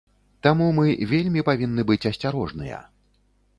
Таму мы вельмі павінны быць асцярожныя.